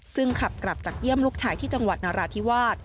ซึ่งขับกลับจากเยี่ยมลูกชายที่จังหวัดนราธิวาส